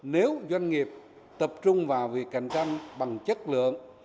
nếu doanh nghiệp tập trung vào việc cạnh tranh bằng chất lượng